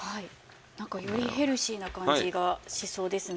なんかよりヘルシーな感じがしそうですね。